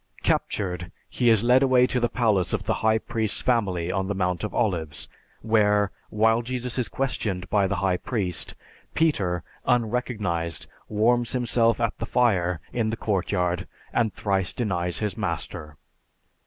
Captured, he is led away to the palace of the high priest's family on the Mount of Olives, where, while Jesus is questioned by the high priest, Peter, unrecognized, warms himself at the fire in the courtyard and thrice denies his master.